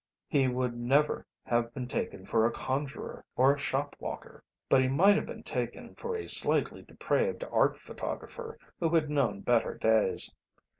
He would never have been taken for a conjurer or a shop walker, but he might have been taken for a slightly depraved Art photographer who had known better days.